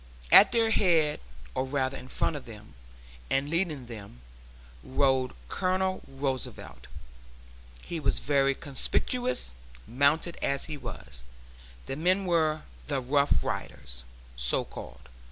At their head, or rather in front of them and leading them, rode Colonel Roosevelt. He was very conspicuous, mounted as he was. The men were the 'Rough Riders,' so called.